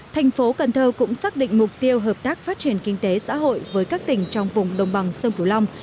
thành phố cần thơ cũng xác định mục tiêu hợp tác phát triển kinh tế xã hội với các tỉnh trong vùng đồng bằng sông cửu long